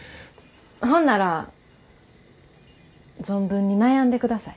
ほんなら存分に悩んでください。